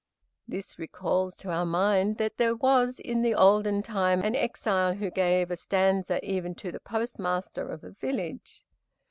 This recalls to our mind that there was in the olden time an exile who gave a stanza even to the postmaster of a village.